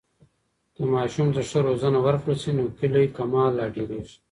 که ماشوم ته ښه روزنه ورکړل سي، نو کلی کمال لا ډېرېږي.